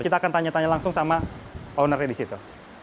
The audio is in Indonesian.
kita akan tanya tanya langsung sama ownernya di situ